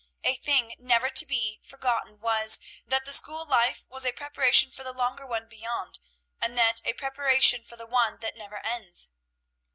A thing never to be forgotten was, that the school life was a preparation for the longer one beyond, and that, a preparation for the one that never ends.